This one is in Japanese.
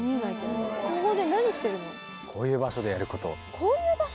こういう場所でやること。